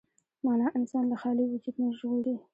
معنی انسان له خالي وجود نه ژغوري.